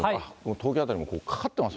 東京辺りもかかってます